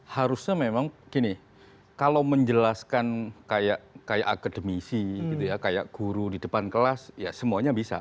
harusnya memang gini kalau menjelaskan kayak akademisi kayak guru di depan kelas ya semuanya memang menarik